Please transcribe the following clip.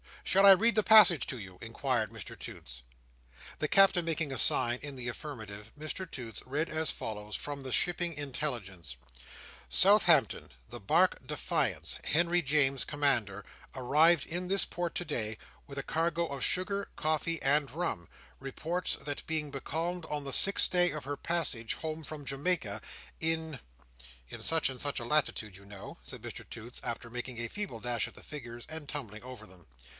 "Shall I read the passage to you?" inquired Mr Toots. The Captain making a sign in the affirmative, Mr Toots read as follows, from the Shipping Intelligence: "'Southampton. The barque Defiance, Henry James, Commander, arrived in this port today, with a cargo of sugar, coffee, and rum, reports that being becalmed on the sixth day of her passage home from Jamaica, in'—in such and such a latitude, you know," said Mr Toots, after making a feeble dash at the figures, and tumbling over them.